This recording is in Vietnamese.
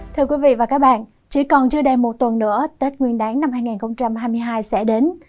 thưa quý vị và các bạn chỉ còn chưa đầy một tuần nữa tết nguyên đáng năm hai nghìn hai mươi hai sẽ đến